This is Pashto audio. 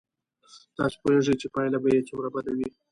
تاسو پوهېږئ چې پایله به یې څومره بد وي.